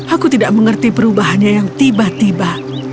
aku tidak mengerti perubahannya yang tiba tiba